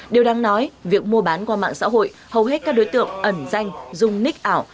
điều đáng nói việc mua bán qua mạng xã hội hầu hết các đối tượng ẩn danh dung ních ảo